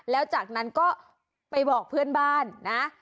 แล้วจากนั้นก็ไปบอกเพื่อนบ้านนะ